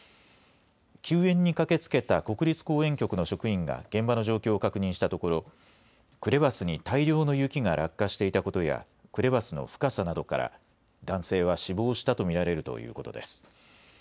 救援に駆けつけた国立公園局の職員が現場の状況を確認したところ、クレバスに大量の雪が落下していたことや、クレバスの深さなどから、男性は死亡したと見られるということです。